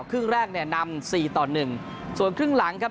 ครึ่งแรกเนี่ยนำสี่ต่อหนึ่งส่วนครึ่งหลังครับ